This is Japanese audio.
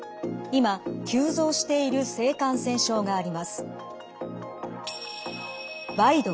今急増している性感染症があります。